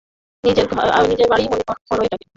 নিজের বাড়িই মনে করো এটাকে।